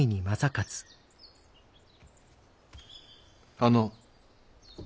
あの。